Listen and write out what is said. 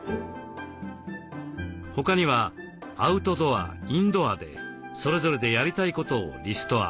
他にはアウトドアインドアでそれぞれでやりたいことをリストアップ。